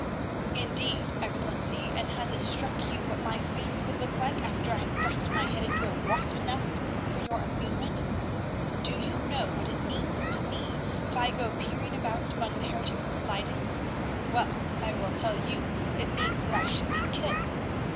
"Indeed, Excellency, and has it struck you what my face would look like after I had thrust my head into a wasp's nest for your amusement? Do you know what it means to me if I go peering about among the heretics of Leyden? Well, I will tell you; it means that I should be killed.